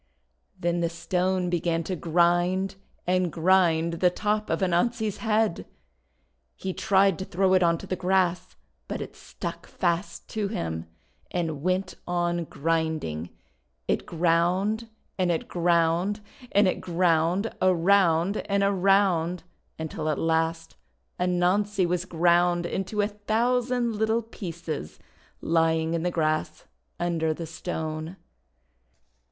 Then the Stone began to grind and grind the top of Anansi's head. He tried to throw it onto the grass, but it stuck fast to him, and went on grinding. It ground, and it ground, and it ground, around and around, until at last Anansi was ground into a thousand little pieces lying in the grass under the Stone.